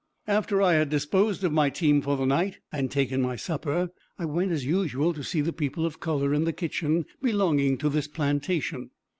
After I had disposed of my team for the night, and taken my supper, I went as usual to see the people of color in the kitchen, belonging to this plantation.